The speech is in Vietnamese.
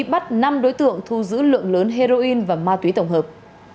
bắt năm đối tượng thu giữ lượng lớn heroin và ma túy tổng hợp